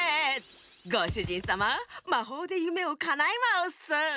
ごしゅじんさままほうでゆめをかなえまウッス！